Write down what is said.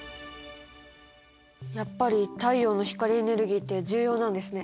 やっぱり太陽の光エネルギーって重要なんですね。